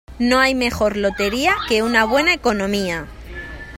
No hay mejor lotería que una buena economía.